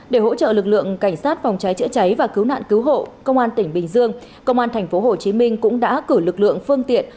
để hỗ trợ lực lượng cảnh sát phòng cháy chữa cháy và cứu nạn cứu hộ công an tỉnh bình dương công an tp hcm cũng đã cử lực lượng phương tiện